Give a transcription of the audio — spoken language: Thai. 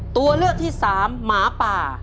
ตัวเลือกที่สามหมาป่า